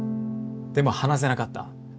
でも話せなかった。